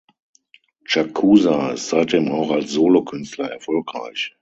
Chakuza ist seitdem auch als Solokünstler erfolgreich.